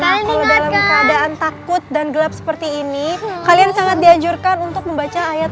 kalian ingatkan takut dan gelap seperti ini kalian sangat diajurkan untuk membaca ayat